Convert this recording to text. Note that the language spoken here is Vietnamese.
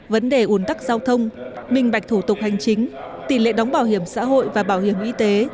vấn đề ủn tắc giao thông minh bạch thủ tục hành chính tỷ lệ đóng bảo hiểm xã hội và bảo hiểm y tế